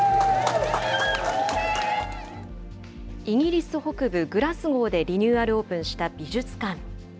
イギリス北部グラスゴーで、リニューアルオープンした美術館。